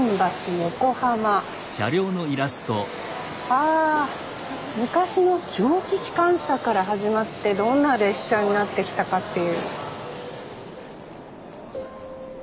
あ昔の蒸気機関車から始まってどんな列車になってきたかっていう。